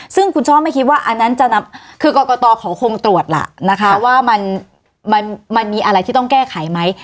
ซึ่งคุณช่อไม่คิดว่าอันนั้นจะนำคือกรกตเขาคงตรวจล่ะนะคะว่ามันมีอะไรที่ต้องแก้ไขไหม